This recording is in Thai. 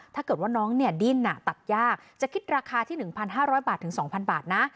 ถ้าเกิดว่าน้องเนี่ยดิ้นตัดยากจะคิดราคาที่๑๕๐๐บาทถึง๒๐๐บาทนะ